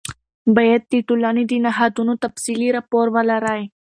باید د ټولنې د نهادونو تفصیلي راپور ولرئ.